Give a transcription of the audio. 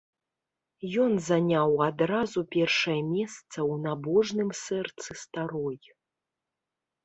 Ён заняў адразу першае месца ў набожным сэрцы старой.